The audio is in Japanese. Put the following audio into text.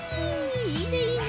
いいねいいね。